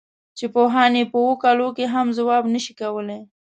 چې پوهان یې په اوو کالو کې هم ځواب نه شي کولای.